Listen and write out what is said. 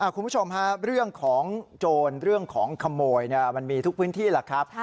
คุณผู้ชมฮะเรื่องของโจรเรื่องของขโมยมันมีทุกพื้นที่แหละครับ